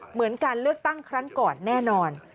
เหมือนการเลือกตั้งครั้งก่อนแน่นอน